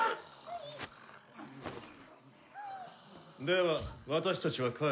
では私たちは帰る。